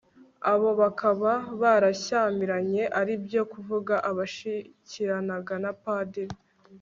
abo bakaba barashyamiranye ari byo kuvuga abashyikiranaga n'abapadiri